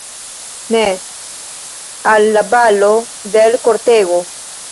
Ne; al la balo de l' kortego!